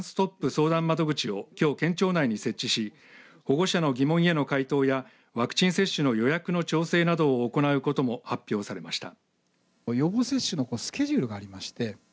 相談窓口をきょう、県庁内に設置し保護者の疑問への回答やワクチン接種の予約の調整などを行うことも発表されました。